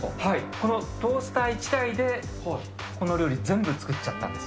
このトースター１台でこの料理全部作っちゃったんです。